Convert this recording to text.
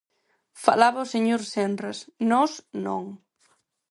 Falaba o señor Senras: nós, non.